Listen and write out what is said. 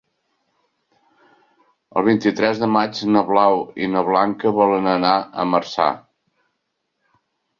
El vint-i-tres de maig na Blau i na Blanca volen anar a Marçà.